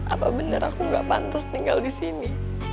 apa benar aku gak pantas tinggal di sini